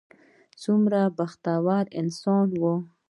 څومره بختور انسان و.